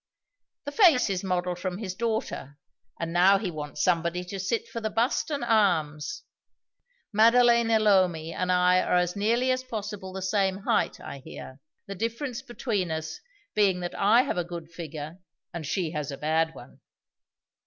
The face is modeled from his daughter; and now he wants somebody to sit for the bust and arms. Maddalena Lomi and I are as nearly as possible the same height, I hear the difference between us being that I have a good figure and she has a bad one.